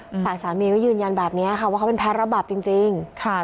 ฝ่ายสามีก็ยืนยันแบบเนี้ยค่ะว่าเขาเป็นแพ้ระบับจริงจริงค่ะ